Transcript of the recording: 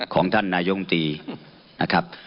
ของท่านนายมตรีนะครับ